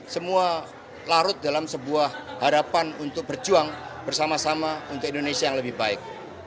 semua larut dalam sebuah harapan untuk berjuang bersama sama untuk indonesia yang lebih baik